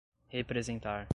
representar